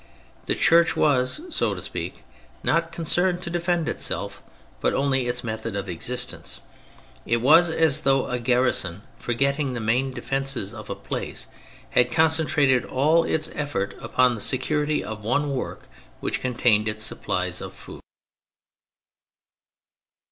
The Church was, so to speak, not concerned to defend itself but only its method of existence. It was as though a garrison, forgetting the main defences of a place, had concentrated all its efforts upon the security of one work which contained its supplies of food.